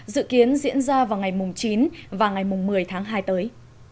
dự kiến diễn ra vào ngày chín và ngày một mươi tháng hai tới